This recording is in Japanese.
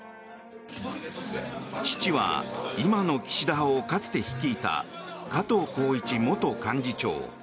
父は今の岸田派をかつて率いた加藤紘一元幹事長。